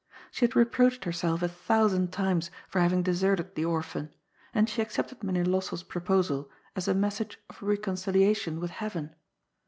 She had reproached herself a thousand times for having deserted the orphan, and she accepted Mynheer Lossell's proposal as a message of reconciliation with Heaven.